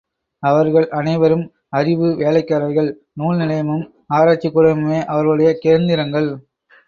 அவர்கள் அனைவரும் அறிவு வேலைக்காரர்கள், நூல் நிலையமும், ஆராய்ச்சிக்கூடமுமே அவர்களுடைய கேந்திரங்கள்.